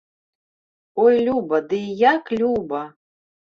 Ой, люба, ды і як люба!